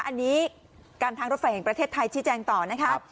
อันนี้การทางรถไฟแห่งประเทศไทยชี้แจงต่อนะคะ